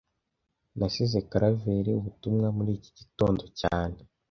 Nasize Karaveri ubutumwa muri iki gitondo cyane